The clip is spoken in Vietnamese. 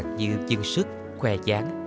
những chườn hoa càng như chưng sức khoe chán